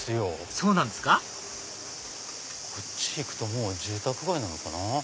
そうなんですかこっち行くともう住宅街なのかな。